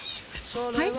はい？